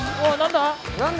何だ？